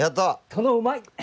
殿うまい！